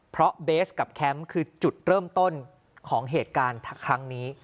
เพราะเบสกับแคมป์คือจุดเริ่มต้นของเหตุการณ์ครั้งนี้